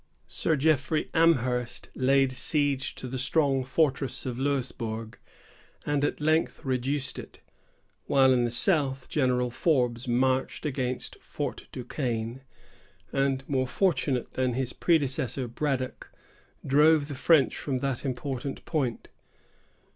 Sir Jeffrey Amherst laid siege to the strong fortress of Louisburg, and at length reduced it; while in the south, General Forbes marched against Fort du Quesne, and, more fortunate than his predecessor, Braddock, drove the French from that important point.